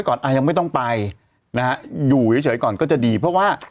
คำถาม